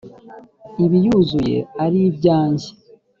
ibiyuzuye ari ibyanjye